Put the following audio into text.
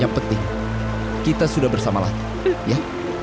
yang penting kita sudah bersama lagi ya